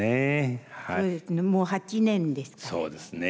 そうですねもう８年ですからね。